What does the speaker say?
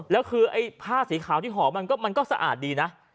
แล้วคือไอ้ผ้าสีขาวที่ห่อมันก็สะอาดดีนะ